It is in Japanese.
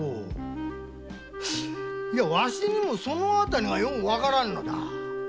ワシにもその辺りがよう分からんのだ。